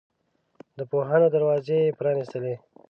د پوهنو دروازې یې پرانستلې.